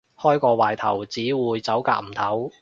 開壞個頭，只會走夾唔唞